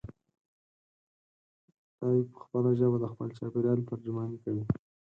دی په خپله ژبه د خپل چاپېریال ترجماني کوي.